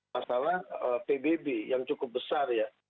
masalah pbb yang cukup besar ya